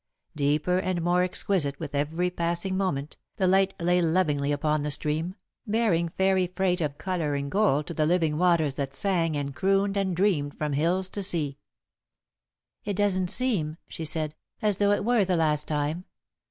Deeper and more exquisite with every passing moment, the light lay lovingly upon the stream, bearing fairy freight of colour and gold to the living waters that sang and crooned and dreamed from hills to sea. "It doesn't seem," she said, "as though it were the last time.